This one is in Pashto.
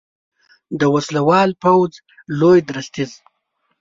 د وسلوال پوځ لوی درستیز